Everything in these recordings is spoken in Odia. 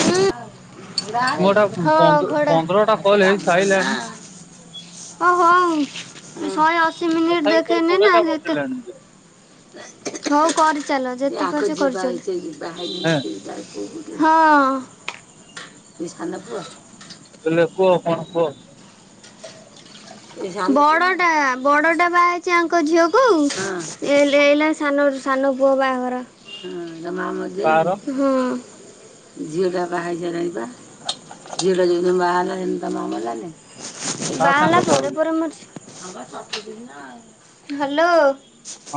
ହୁଁ ମୋଟା ହଁ ପନ୍ଦ ଘଡା। ପନ୍ଦରଟା କଲ୍ ହେଇ [unintelligible] ସାଇଲାଣି ହ ହଉ ଶହେ ଅଶୀ ମିନିଟ୍ ତଥାପି ତୋର ଦେଖେଇନି ନା କୋଡିଏଟା ସେତେ ବଞ୍ଚିଲାଣି ହଉ କରିଚାଲ ଯେତେ ପାରୁଚ କରିଚାଲ। ହେଁ ହଁ। ହେଲେ କୁହ କଣ କୁହ। ବଡଟା ବଡଟା ବାହାହେଇଚି ଆଙ୍କ ଝିଅକୁ ଏ ଲେଲା ସାନ ପୁଅ ବାହାଘର। କାହାର ହଁ ଝିଅଡ଼ା ବାହା ହେଇ ସାରିଲାଣି ପା। ଝିଅଟା ଯଉ ଦିନ ବାହା ହେଲା ହେଦିନ ତା ମା ମଲାନି। କା ସାଙ୍ଗେ କଥା ହଉଚୁ ହାଲୋ।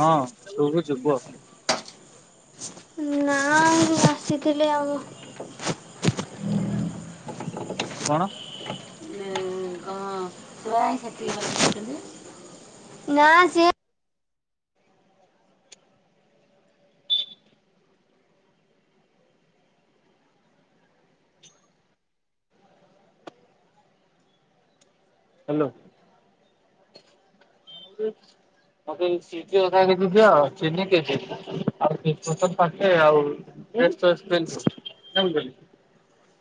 ହଁ ଶୁଭୁଚି କୁହ। ନାରୁ ଆସିଥିଲେ ଆଉ। [inaudible] କଣ? ହ ବା [unintelligible] ନାଁ ସେ ହାଲୋ। [unintelligible] ମୋତେ ଏଇ ସିଜି ଅଧା କେଜି ଦିଅ ଆଉ ଚନି କେଜିଏ [unintelligible] ଆଉ [unintelligible]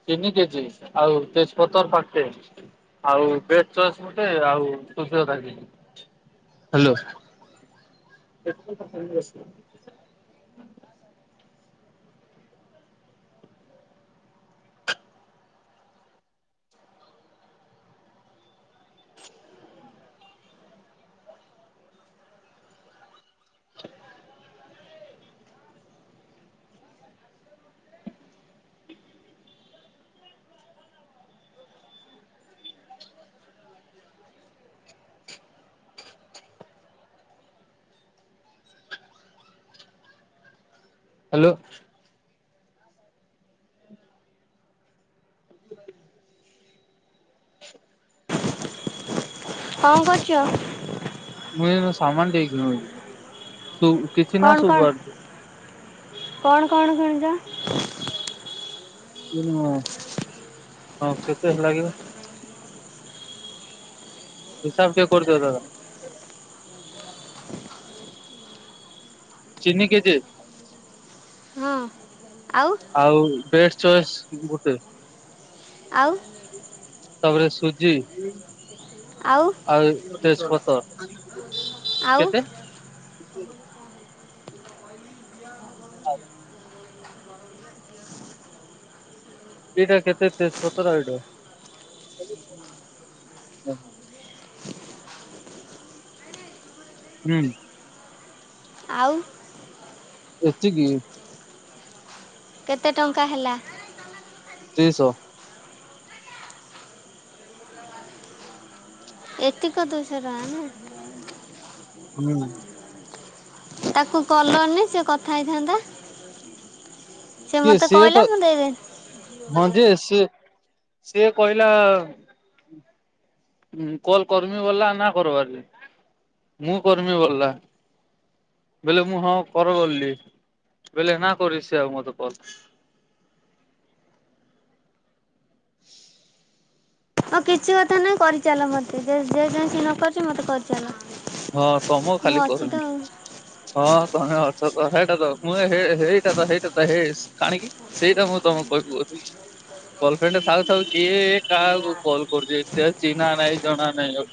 ତିନି କେଜି ଆଉ ତେଜପତ୍ର ପାଟେ ଆଉ ବେସ ୱାସ ଗୋଟେ ଆଉ ସୁଜି ଅଧା କେଜି। ହାଲୋ। [inaudible] ହାଲୋ। କଁଣ କରୁଚ? ମୁଁ ଏଇ ସାମାନ ଦେଇିକି [unintelligible] କଣ, କଣ, କଣ, କଣ କିଣୁଚ? [inaudible] ହଁ କେତେ ହେଲାକି ଆଉ। ହିସାବ ଟିକେ କରଦିଅ ଦାଦା। ଚିନି କେଜିଏ ହଁ ଆଉ। ଆଉ ବେଷ୍ଟ ଚଏସ୍ ଗୋଟେ। ଆଉ। ତାପରେ ସୁଜି। ଆଉ। ଆଉ ତେଜପତର ଆଉ କେତେ? ଆଜି। ଏଇଟା କେତେ ତେଜ ପତର ଏଇଟା। ହୁଁ। ଆଉ। ଏତିିକି। କେତେ ଟଙ୍କା ହେଲା? ଦୁଇଶହ। ଏତିକ ଦୁଶ ଟଙ୍କା ନୁହେଁ। ହୁଁ। ତାକୁ କଲନି ସେ କଥା ହେଇଥାନ୍ତା। ସେ କିଏ ମତେ ସିଏ କହିଲା ତ ମୁଁ ଦେଇଦେଲି। ହଁ ଯେ ସି ସିଏ କହିଲା କହ କର୍ମୀ ବଲା ନା କରବାର ମୁଁ କର୍ମୀ ବଲା। ବୋଇଲେ ମୁଁ ହଁ କରିବି ଗଲି ବୋଇଲେ ନା କରି ସେ ଆଉ ମତେ କଲ। [inaudible] ଆଉ କିଛି କଥା ନାହିଁ କରିଚାଲ ମତେ ଯେ ଜେମିତି ନ କରୁଛି ମତେ କରିବ। ହଁ ତମକୁ ଖାଲି ତ କରୁନି। ଆଉ। ହଁ ତମେ ଅଛ ତ ହେଇଟା ତ ମୁଁ ହେଇଟା ତ ହେଇଟା ତ ହେଇ କାଣିକି। ସେଇଟା ମୁଁ ତମୁକୁ କହିବି କୋଉଥିଲି। ଗର୍ଲଫ୍ରେଣ୍ଡ ଥାଉ ଥାଉ କିଏ କାହାକୁ କଲ୍ କରୁଛି ଚିହ୍ନା ନାହିଁ ଜଣା ନାହିଁ ଆଉ।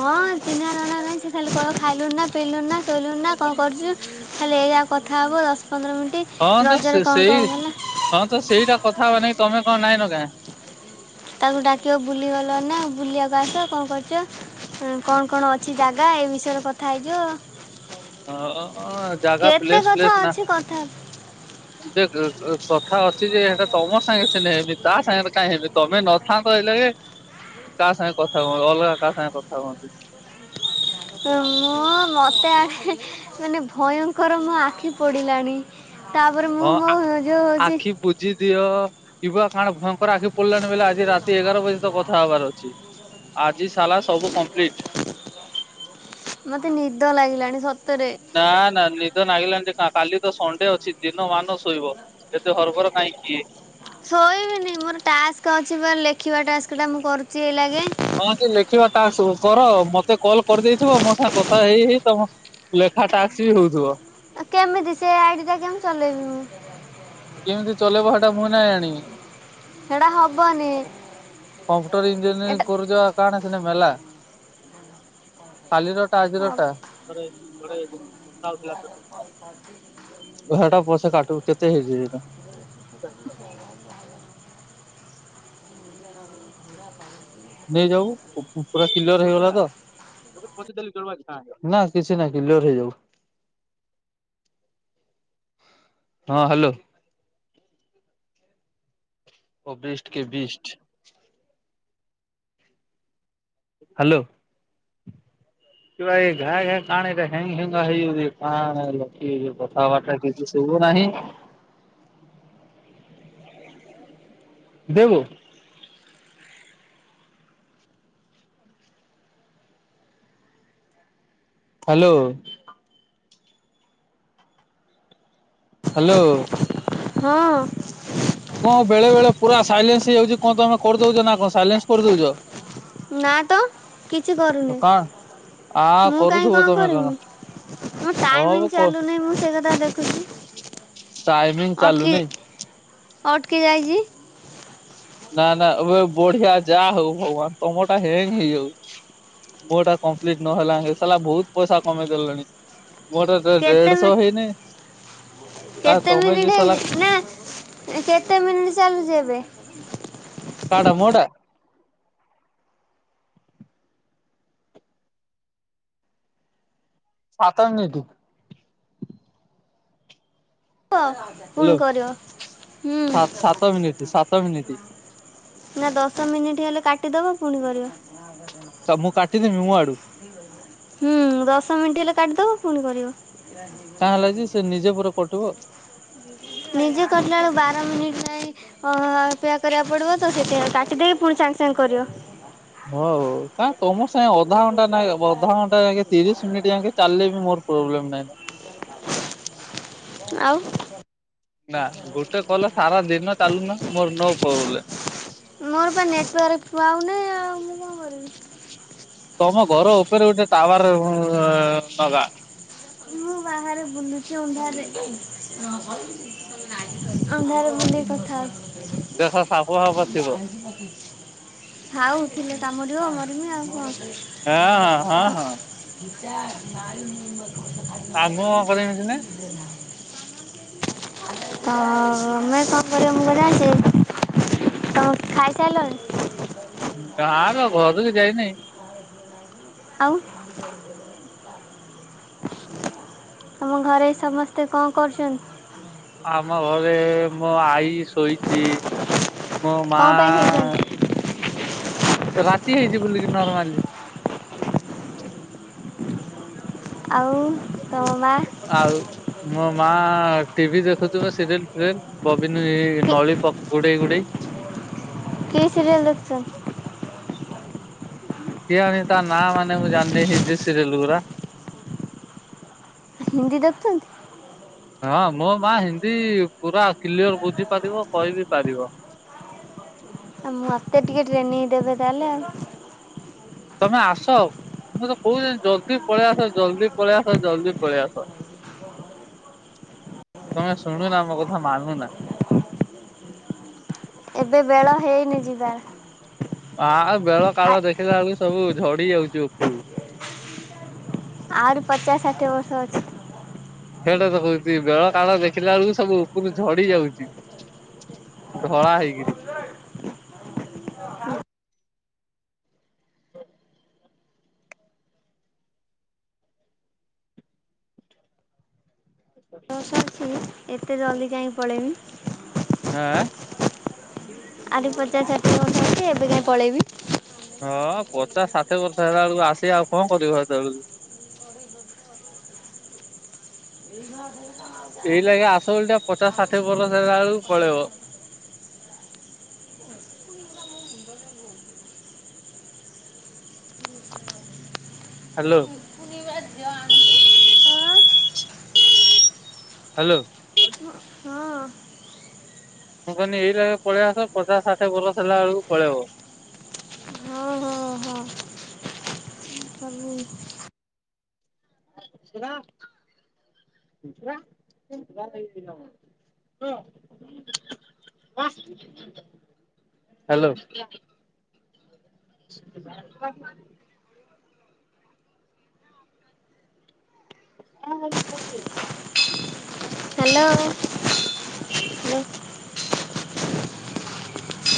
ହଁ ଚିହ୍ନା ନାଣା ନାହିଁ ସେ ଖାଲିକହିବ ଖାଇଲୁ ନା ପିଇଲୁ ନା ସୋଇଲୁଣୁ ନା କଣ କରୁଛୁ। ଖାଲି ଏଇଯା କଥା ହବ ଦଶ ପନ୍ଦର ମିନିଟ୍। ହଁ ତ ରଜରେ ସେ କଣ ସେଇ କଣ ହେଲା ହଁ ତ ସେଇଟା କଥା ହେବା ନାଗୀ ତମେ କଣ ନାଇଁ ନ ଗା। ତାକୁ ଡାକିବ ବୁଲିଗଲଣି ନା ବୁଲିବାକୁ ଆସ କଣ କରିଛ। କଣ କଣ ଅଛି ଜାଗା ଏ ବିଷୟରେ କଥା ହଁ ହେଇଯିବ। ଜାଗା କେତେ ପ୍ଲେସ୍ କଥା ପ୍ଲେସ୍ ନା ଅଛି କଥା ଯେ ଏ ଏ କଥା ଅଛି ଯେ ଏଟା ତମ ସାଙ୍ଗେ ନା ହେବି ତା ସାଙ୍ଗରେ କାହିଁ ହେବି ତମେ ନ ହଁ କହିଲି ତା ସାଙ୍ଗେ କଥା କୁହନ୍ତି ଅଲଗା କାହା ସାଙ୍ଗେ କଥା ହୁଅନ୍ତୁନି। ମୁଁ ମୋତେ ଆଖ ମାନେ ଭୟଙ୍କର ମୋ ଆଖି ପଡ଼ିଲାଣି। ତାପରେ ମୁଁ ମୋଉ ଯଉ ହଉଛି। ଭଜି ଦିଅ ଇବୁ କାଣ ଭୟଙ୍କର ଆଖି। କଲ୍ୟାଣ ବଲେ ଆଜି ରାତି ଏଗାର ବଜେ ତ କଥା ହବାର ଅଛି ଆଜି ସଲାା ସବୁ କମ୍ପ୍ଲିଟ। ମତେ ନିଦ ଲାଗିଲାଣି ସତରେ। ନା ନା ନିଦ ନାଗିଲାଣି ଯେ କାଲି ତ ସଣ୍ଡେ ଅଛି ଦିନ ମାନ ଶୋଇବ। ଏତେ ହରବର କାହିଁ କିି? ଶୋଇବିନି ମୋର ଟାସ୍କ ଅଛି ପା ଲେଖିବା ଟାସ୍କ ଟା ମୁଁ କରୁଛି ଏଇ ଲଗେ। ହଁ ଯେ ଲେଖିବା ଟାକ୍ସ କର ମତେ କଲ କରିଦେଇଥିବ ମୋ ସାଙ୍ଗ କଥା ହେଇ ହେଇ ତମ ଲେଖା ତାକ୍ସ ବି ହଉଥିବ। କେମିତି ସେ ଆଇଡି ଟା କେମିତି ଚଲେଇବି ମୁଁ। କେମିତି ଚଲେବ ହେଟା ମୁଁ ନାଇଁ ଆଣିବି। ସେଟା ହବନି କମ୍ପ୍ୟୁଟର ଏଟା ଇଞ୍ଜିନିୟରିଂ କରୁଛ କଣ ସନା ମେଲା। କାଲି ରଟା ଆଜିରଟା [unintelligible] [inaudible] ସେଟା ପସେ କାଟିବୁ କେତେ ହେଇଚି ସେଇଟା? [inaudible] ନେଇଯାଉୁ ପୁରା କିଲର ହେଇଗଲା ତ? ନା କିଛି ନାହିଁ କିଲର ହେଇଯାଉ। ହଁ ହ୍ୟାଲୋ। ଓ ବିଷ୍ଟ କେ ବିଷ୍ଟ। ହ୍ୟାଲୋ [inaudible] [unintelligible] ଦେବୁ। ହ୍ୟାଲୋ। ହ୍ୟାଲୋ। ହଁ। କଣ ବେଳେ ବେଳେ ପୁରା ସାଇଲେନ୍ସ ହେଇଯାଉଛି କଣ ତମେ କରିଦଉଛ ନା କଣ ସାଇଲେନ୍ସ କରିଦଉଛ? ନା ତ କିଛି କରୁନି। କଣ ଆ ମୁଁ କାଇଁ କରୁଥିବ କଣ ତମେ କରମି ମୋ ଟାଇମ ହଁ କ ଚାଲୁନହିଁ ମୁଁ ସେ କଥା ଥା ଦେଖୁଛି ଟାଇମିଂ ଅଟକି ଚାଲୁନାଇଁ ଅଟକି ଯାଇଛି। ନା ନା ଏବେ ବଢିଆ ଯାହା ହଉ ଭଗବାନ ତମ ଟା ହେଙ୍ଗ ହେଇଯାଉ। ମୋଟା କମ୍ପ୍ଲିଟ ନହଲା ସଲା ବହୁତ ପଇସା କମେଇ ଦେଲେଣି। ମୋର ଆଡେ କେତେ ଦେଢଶହ ହେଇନି ଆ କେତେ ତମେ ମିନିଟ୍ ଦି ସାଲା ହେଇଛି ନା କେତେ ମିନିଟ୍ ଚାଲୁଛି ଏବେ? କାଡା ମୋଡା? [unintelligible] ହ୍ୟାଲୋ ପୁଣି କରିବ ସାତ ମିନିଟ୍ ହୁଁ। ସାତ ମିନିଟ୍ ନା ଦଶ ମିନିଟ୍ ହେଲେ କାଟିଦବ ପୁଣି କରିବ। ତ ମୁଁ କାଟିଦେବି ମୁଁ ଆଡୁ। ହୁଁ ଦଶ ମିନିଟ୍ ହେଲେ କାଟିଦବ ପୁଣି କରିବ। ତା ହେଲା ଯେ ସେ ନିଜେ ପୁର କଟିବ। ନିଜେ କଟିଲା ବେଳକୁ ବାର ମିନିଟ ଯାଇ ଅ ଅପେକ୍ଷା କରିବାକୁ ପଡିବ। ତ ସେଥି କାଟି ଦେଇକି ପୁଣି ସାଙ୍ଗେ ସାଙ୍ଗେ କରିବ। ହଉ କାଇଁ ତମ ସାଙ୍ଗେ ଅଧା ଘଣ୍ଟା ନାକେ ଅଧାଘଣ୍ଟା ଯାକେ ତିରିଶ ମିନିଟ୍ ଯାକେ। ଚାଲିଲେ ବି ମୋର ପ୍ରୋବଲେମ ନାହିଁ। ଆଉ। ନା ଗୋଟେ କଲ ସାରା ଦିନ ଚାଲୁନ ମୋର ନୋ ପ୍ରୋବେଲେମ୍। ମୋର ବା ନେଟୱାର୍କ ପାଉନାହିଁ ଆଉ ମୁଁ କଣ କରିବି? ତମ ଘର ଉପରେ ଗୋଟେ ଟାୱାର ନଗା। ମୁଁ ବାହାରେ ବୁଲୁଛି ଅନ୍ଧାରରେ। ଆନ୍ଧାର ଭଳି କଥା ଦେଖ ସାପ ଫାପ ଥିବ। [inaudible] ଥାଉ ଥିଲେ କାମୁଡିବ ମରିବିି ଆଉ କଣ। [unintelligible] ହଁ ହଁ। [inaudible] [unintelligible] ଉପରେ ଅଛିନା। [inaudible] ତ [unintelligible] ମୁଁ କଣ ଜାଣିଚି। ତ ଖାଇ ସାରିଲାଣି? ଗାଁର ଘରକୁ ଯାଇନି। ଆଉ ଆମ ଘରେ ସମସ୍ତେ କଣ କରୁଛନ୍ତି? ଆମ ଘରେ ମୋ ଆଈ ଶୋଇଛି ମୋ ମା କଣ ପାଇଁ ଶୋଇଛନ୍ତି ରାତି ହେଇଜି ବୁଲିକି ନର୍ମାଲି ଆଉ ତମ ମା? ଆଉ ମୋ ମା ଟିଭି ଦେଖୁଥିବା ସିରିଏଲ ଫିରିଏଲେ। ବବିନୀ କି ନଳୀ ପଗୁଡ଼ି ଗୁଡେଇ କି ସରିଏଲ ଦେଖୁଛନ୍ତି? କିଆଣି ତା ନାଁ ମାନେ ମୁଁ ଜାଣିନେଇ ହିନ୍ଦୀ ସିରିଏଲ ଗୁଢା ହିନ୍ଦି ଦେଖୁଛନ୍ତି। ହଁ ମୋ ମା ହିନ୍ଦୀ ପୁରା କ୍ଲିଅର ବୁଝି ପାରିବ କହିିବି ପାରିବ। ଆଉ ମତେ ଟିକେ ଟ୍ରେନଂ ଦେବେ ତାହେଲେ ଆଉ। ତମେ ଆସ ମୁଁ ତ କହୁଚି ଜଲଦି ପଳେଇ ଆସ ଜଲଦି ପଳେଇ ଆସ ଜଲଦି ପଳେଇ ଆସ। ହ ତମେ ଶୁଣୁନା ମୋ କଥା ମାନୁନା। ଏବେ ବେଳ ହେଇନି ଯିବାର ଆଉ ବେଳ ଆ କାଳ ଦେଖିଲା ବେଳକୁ ସବୁ ଝଡି ଯାଉଛି ଉପରୁ ଆହୁରି ପଚାଶ ଷାଠିଏ ବର୍ଷ ଅଛି। ହେଟା ତ କହୁଛି ବେଳ କାଳ ଦେଖିଲା ବେଳକୁ ସବୁ ଉପରୁ ଝଡି ଯାଉଛି। ଧଳା ହେଇକିରି ହ ବର୍ଷ ଅଛି ଏତେ ଜଲ୍ଦି କାହିଁକି ପଳେଇମି? ଆଁ ଆଁ ଆହୁରି ପଚାଶ ଷାଠିଏ ବର୍ଷ ଅଛି ଏବେ କାଇଁ ପଳେଇବି? ହଁ ପଚାଶ ଷାଠିଏ ବର୍ଷ ହେଲା ବେଳକୁ ଆସିକି ଆଉ କଣ କରିବ ହେତେବେଳକୁ? [unintelligible] ଏଇ ଲଗେ ଆସ ବୋଲଟା ପଚାଶ ଷାଠିଏ ବର୍ଷ ହେଲା ବେଳକୁ ପଳେଇବ। [unintelligible] ହାଲୋ। ଟୁକୁନି ପା ଝିଅ ଆଣୁଛି। ହାଲୋ ଉଁ ହଁ। ମୁଁ କହିଲି ଏଇନାକେ ପଳେଇ ଆସ ପଚାଶ ଷାଠିଏ ବରଷ ହେଲା ବେଳକୁ ପଳେଇବ। ହଁ ହଁ ହଁ। ହୁଁ। ସେରା [unintelligible] ହାଲୋ। [unintelligible] ହଁ [unintelligible] ହାଲୋ।